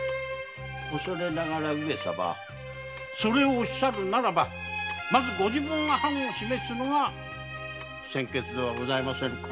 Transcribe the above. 恐れながらそれをおっしゃるならばご自分が範を示すのが先決ではありませんか？